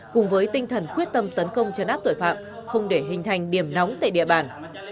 cùng với tinh thần quyết tâm tấn công chấn áp tội phạm không để hình thành điểm nóng tại địa bàn